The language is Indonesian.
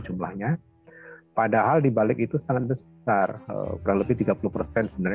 jadi dapat dibayangkan besar sekali